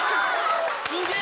すげえ！